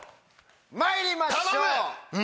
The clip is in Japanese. まいりましょう！